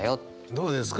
どうですか？